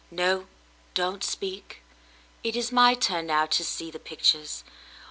*'No, don't speak ; it is my turn now to see the pictures.